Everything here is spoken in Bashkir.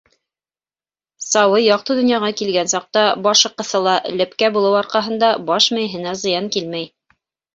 Сабый яҡты донъяға килгән саҡта башы ҡыҫыла, лепкә булыу арҡаһында баш мейеһенә зыян килмәй.